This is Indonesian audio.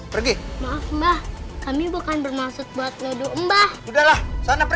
pergi maaf mbah